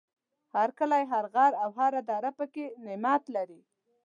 هر کلی، هر غر او هر دره پکې نعمت لري.